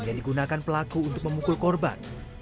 yang digunakan pelaku untuk memukul korban